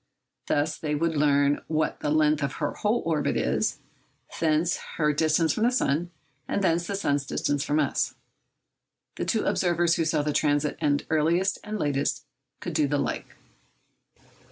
Thus they would learn what the length of her whole orbit is, thence her distance from the sun, and thence the sun's distance from us. The two observers who saw the transit end earliest and latest could do the like.